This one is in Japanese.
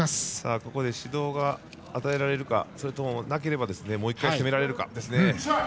ここで指導が与えられるかそれとも、なければもう１回、攻められるかですね。